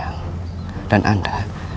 saya tidak pernah mengingat anda